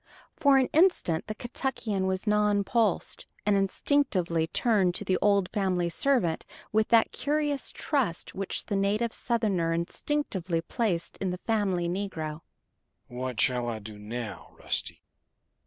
For an instant the Kentuckian was nonplused, and instinctively turned to the old family servant with that curious trust which the native Southerner instinctively places in the "family" negro. "What shall I do now, Rusty?"